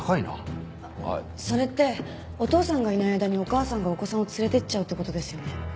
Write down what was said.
それってお父さんがいない間にお母さんがお子さんを連れてっちゃうって事ですよね？